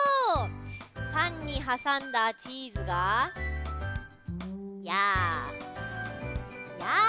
パンにはさんだチーズが「やあ」